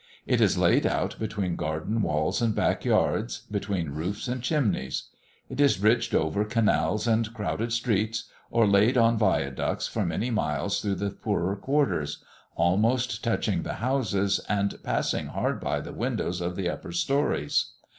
It is laid out between garden walls and backyards, between roofs and chimneys; it is bridged over canals and crowded streets, or laid on viaducts for many miles through the poorer quarters, almost touching the houses, and passing hard by the windows of the upper stories.